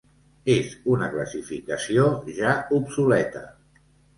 És una classificació ja obsoleta.